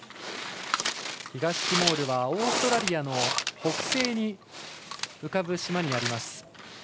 東ティモールはオーストラリアの北西に浮かぶ島になります。